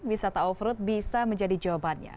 wisata off road bisa menjadi jawabannya